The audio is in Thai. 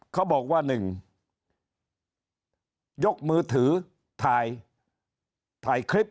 เขาบอกว่า๑ยกมือถือถ่ายถ่ายคลิป